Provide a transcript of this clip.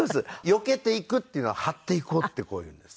「よけていく」っていうのは「はっていこう」ってこう言うんです。